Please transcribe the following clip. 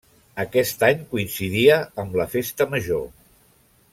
Aquest any coincidia amb la festa major.